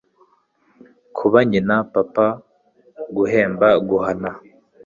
kuba nyina, papa, guhemba, guhana